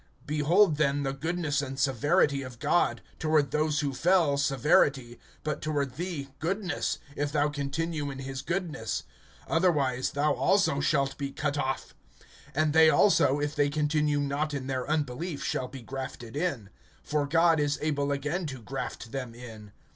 (22)Behold then the goodness and severity of God; toward those who fell, severity; but toward thee, goodness, if thou continue in his goodness; otherwise, thou also shalt be cut off. (23)And they also, if they continue not in their unbelief, shall be grafted in; for God is able again to graft them in.